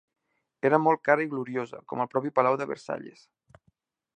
Era molt cara i gloriosa, com el propi Palau de Versalles.